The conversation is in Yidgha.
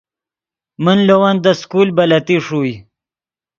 من لے ون دے سکول بلتی ݰوئے